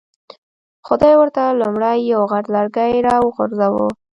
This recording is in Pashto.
خدای ورته لومړی یو غټ لرګی را وغورځاوه.